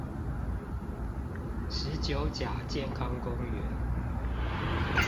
十九甲健康公園